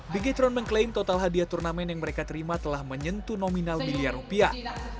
beachtron mengklaim total hadiah turnamen yang mereka terima telah menyentuh nominal miliar rupiah